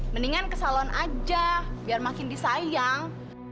mendingan ke salon aja biar makin disayang